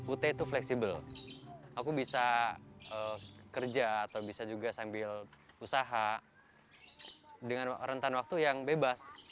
ut itu fleksibel aku bisa kerja atau bisa juga sambil usaha dengan rentan waktu yang bebas